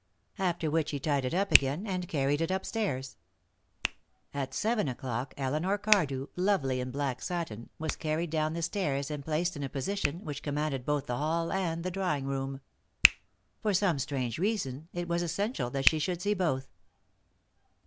After which he tied it up again and carried it upstairs. At seven o'clock Elinor Cardew, lovely in black satin, was carried down the stairs and placed in a position which commanded both the hall and the drawing room. For some strange reason it was essential that she should see both.